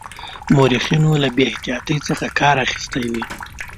مورخینو له بې احتیاطی څخه کار اخیستی وي.